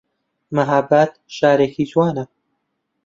مەهاباد شارێکی جوانە